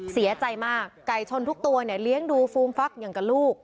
เสียใจมากไก่ชนทุกตัวเนี่ยเลี้ยงดูฟูมฟักอย่างกับลูก